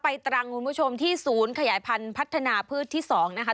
ตรังคุณผู้ชมที่ศูนย์ขยายพันธุ์พัฒนาพืชที่๒นะคะ